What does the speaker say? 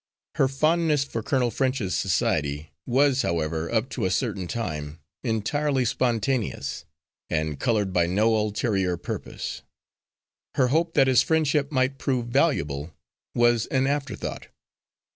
Her fondness for Colonel French's society was, however, up to a certain time, entirely spontaneous, and coloured by no ulterior purpose. Her hope that his friendship might prove valuable was an afterthought.